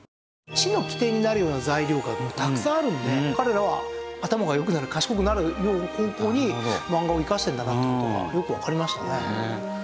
知の起点になるような材料がたくさんあるので彼らは頭が良くなる賢くなるような方向に漫画を生かしてるんだなって事がよくわかりましたね。